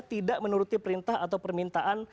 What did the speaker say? tidak menuruti perintah atau permintaan